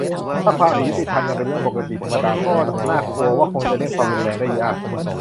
ถ้า ความอยุติธรรม ยังเป็นเรื่องปกติธรรมดา ก็น่ากลัวว่าคงจะเลี่ยง ความรุนแรง ได้ยาก